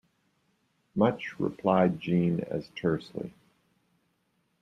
Much, replied Jeanne, as tersely.